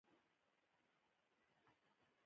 ښځینه مخبرانې وګوماري.